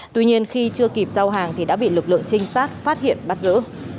tuy nhiên khi chưa kịp giao hàng thì đã bị lực lượng trinh sát phát hiện bắt giữ